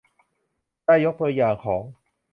ได้ยกตัวอย่างของ